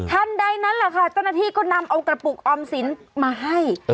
ท่านใดนั้นแหละค่ะต้นที่ก็นำเอากระปุกออมศิลป์มาให้